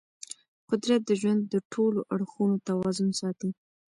قدرت د ژوند د ټولو اړخونو توازن ساتي.